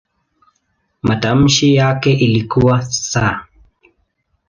Matamshi yake ilikuwa "s".